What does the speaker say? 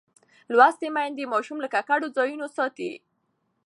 لوستې میندې ماشوم له ککړو ځایونو ساتي.